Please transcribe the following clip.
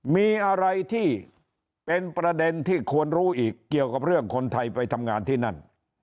มีอะไรที่เป็นประเด็นที่ควรรู้อีกเกี่ยวกับเรื่องคนไทยไปทำงานที่นั่น